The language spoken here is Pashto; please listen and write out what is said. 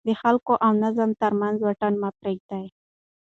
د خلکو او نظام ترمنځ واټن مه پرېږدئ.